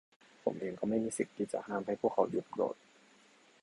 ผมเองก็ไม่มีสิทธิ์ที่จะห้ามให้พวกเขาหยุดโกรธ